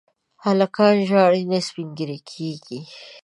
هلکان ژاړي نه، سپين ږيري کيږي.